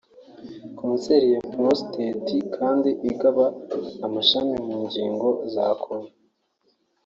Kanseri ya prostate kandi igaba amashami mu ngingo za kure